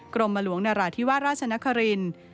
กรมหลวงนราธิวาสราชนครินทร์